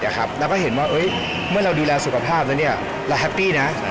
แล้วเขาก็เห็นว่าเออเราดูแลสุขภาพแล้วสิ